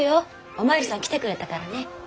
お巡りさん来てくれたからね。